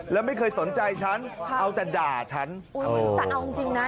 แล้วไม่เคยสนใจฉันค่ะเอาแต่ด่าฉันอุ้ยแต่เอาจริงน่ะ